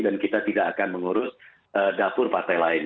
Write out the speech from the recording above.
dan kita tidak akan mengurus dapur partai lain